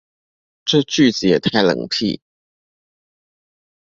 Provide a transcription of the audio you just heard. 這句子也太冷僻